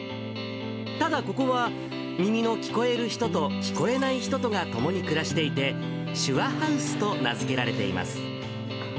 ただここは、耳の聞こえる人と聞こえない人とが共に暮らしていて、しゅわハウスと名付けられています。